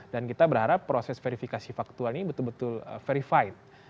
dan kita berharap proses verifikasi faktual ini betul betul verified